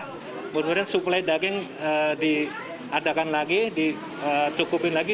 karena menurut saya suplai daging diadakan lagi ditukupin lagi